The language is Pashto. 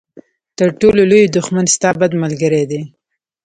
تر ټولو لوی دښمن ستا بد ملګری دی.